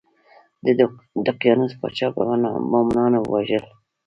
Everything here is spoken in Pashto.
د دقیانوس پاچا به مومنان وژل.